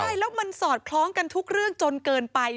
ใช่แล้วมันสอดคล้องกันทุกเรื่องจนเกินไป